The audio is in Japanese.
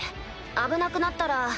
危なくなったら。